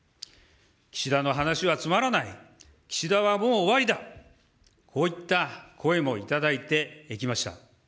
岸田の話はつまらない、岸田はもう終わりだ、こういった声もいただいてきました。